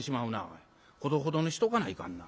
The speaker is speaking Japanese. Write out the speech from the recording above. ほどほどにしとかないかんな。